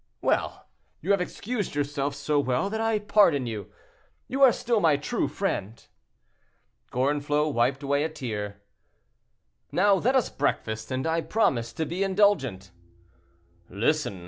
"Well, you have excused yourself so well that I pardon you. You are still my true friend." Gorenflot wiped away a tear. "Now let us breakfast, and I promise to be indulgent." "Listen!